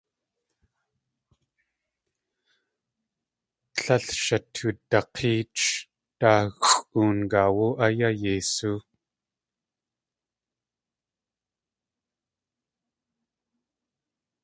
Tlél shatudak̲éech - daaxʼoon gaaw áyá yeisú.